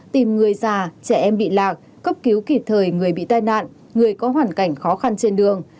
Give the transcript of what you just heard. tìm người già trẻ em bị lạc cấp cứu kịp thời người bị tai nạn người có hoàn cảnh khó khăn trên đường